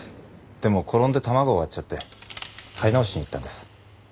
でも転んで卵を割っちゃって買い直しに行ったんです。